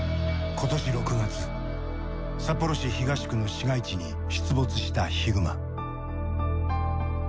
今年６月札幌市東区の市街地に出没したヒグマ。